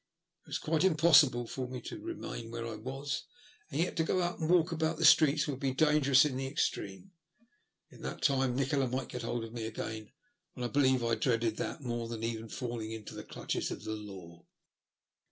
It was quite impossible for me to re main where I was, and yet to go out and walk about the streets would be dangerous in the extreme. In that time Nikola might get hold of me again, and I believe I dreaded that more than even falling into the clutches of the law.